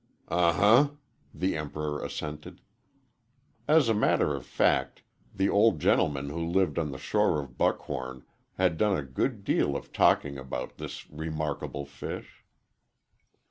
"Uh huh," the Emperor assented. As a matter of fact, the old gentleman who lived on the shore of Buckhorn had done a good deal of talking about this remarkable fish.